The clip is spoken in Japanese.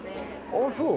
ああそう？